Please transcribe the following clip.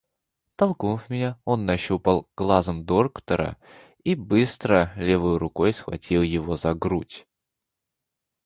Толкнув меня, он нащупал глазом доктора и быстро левою рукою схватил его за грудь.